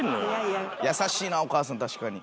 優しいなお母さん確かに。